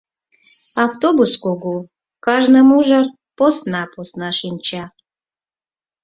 Автобус кугу, кажне мужыр посна-посна шинча.